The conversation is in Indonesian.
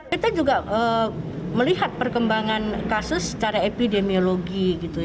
kita juga melihat perkembangan kasus secara epidemiologi